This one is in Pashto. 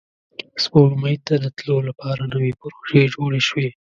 سپوږمۍ ته د تلو لپاره نوې پروژې جوړې شوې